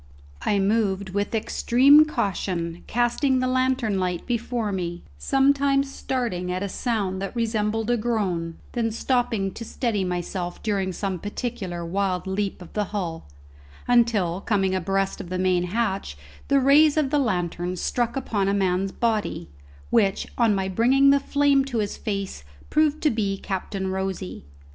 I moved with extreme caution, casting the lantern light before me, sometimes starting at a sound that resembled a groan, then stopping to steady myself during some particular wild leap of the hull; until, coming abreast of the main hatch, the rays of the lantern struck upon a man's body, which, on my bringing the flame to his face, proved to be Captain Rosy.